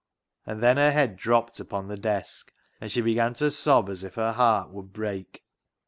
And then her head dropped upon the desk, and she began to sob as if her heart would break.